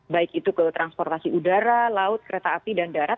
baik itu ke transportasi udara laut kereta api dan darat